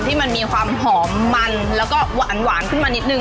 ที่มันมีความหอมมันแล้วก็หวานขึ้นมานิดนึ